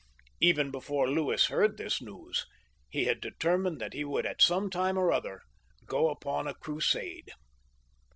Even before Louis heard this news, he had determined that he would at some time or other go upon a Crusade.